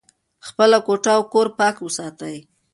خپله کوټه او کور پاک وساتئ.